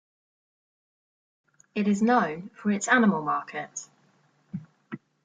It is known for its animal market.